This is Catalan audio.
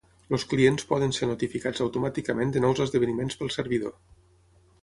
Els clients poden ser notificats automàticament de nous esdeveniments pel servidor.